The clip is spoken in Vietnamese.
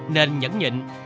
nên nhẫn nhịn